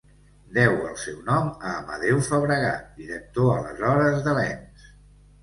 Deu el seu nom a Amadeu Fabregat, director aleshores de l'ens.